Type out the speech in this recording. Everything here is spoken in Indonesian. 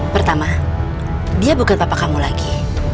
pertama dia bukan bapak kamu lagi